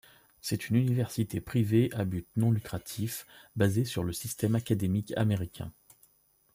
C'est une université privée à but non lucratif, basée sur le système académique américain.